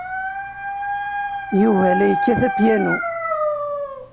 Yuba la yekkat apyanu.